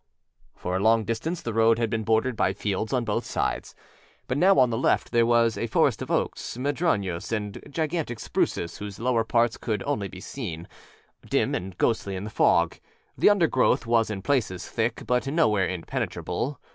â For a long distance the road had been bordered by fields on both sides, but now on the left there was a forest of oaks, madroños, and gigantic spruces whose lower parts only could be seen, dim and ghostly in the fog. The undergrowth was, in places, thick, but nowhere impenetrable.